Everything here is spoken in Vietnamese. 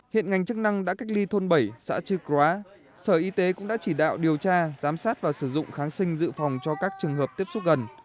hiện ngành chức năng đã cách ly thôn bảy xã trư cóa sở y tế cũng đã chỉ đạo điều tra giám sát và sử dụng kháng sinh dự phòng cho các trường hợp tiếp xúc gần